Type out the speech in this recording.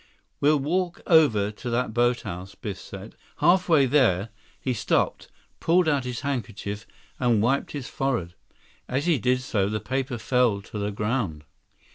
"We'll walk over to that boathouse," Biff said. Halfway there, he stopped, pulled out his handkerchief, and wiped his forehead. As he did so, the paper fell to the ground.